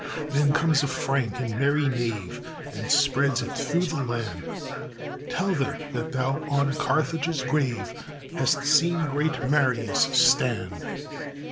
Then comes a frank and merry knave, And spreads it through the land: "Tell them that thou on Carthage's grave Hast seen great Marius stand!"